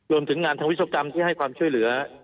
รวมถึงงานทางวิศวกรรมที่ให้ความช่วยเหลือ